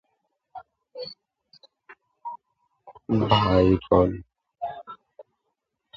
These letters typically convey a harsh, even severe impression of his character.